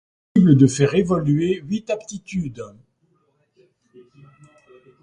Il est possible de faire évoluer huit aptitudes.